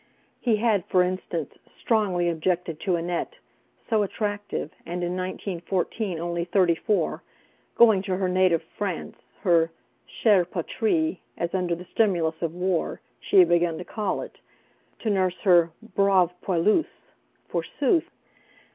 He had, for instance, strongly objected to Annette, so attractive, and in 1914 only thirty four, going to her native France, her "chere patrie" as, under the stimulus of war, she had begun to call it, to nurse her "braves poilus," forsooth!